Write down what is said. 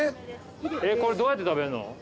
えっこれどうやって食べんの？